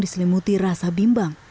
diselimuti rasa bimbang